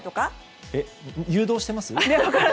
誘導してます？